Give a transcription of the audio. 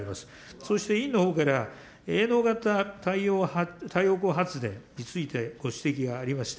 そして委員のほうから営農型太陽光発電についてご指摘がありました。